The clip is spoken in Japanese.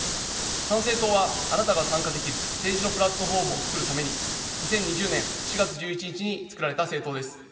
参政党は、あなたが参加できる政治のプラットフォームをつくるために２０２０年４月１１日に作られた政党です。